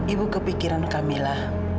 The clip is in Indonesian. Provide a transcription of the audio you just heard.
ibu kepikiran kamila